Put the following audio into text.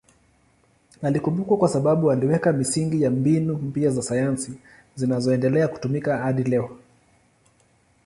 Anakumbukwa kwa sababu aliweka misingi ya mbinu mpya za sayansi zinazoendelea kutumika hadi leo.